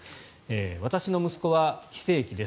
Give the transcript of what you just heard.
私の息子は非正規です。